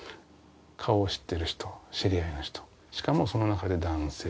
顔を知っている人、知り合いの人、しかもその中で男性。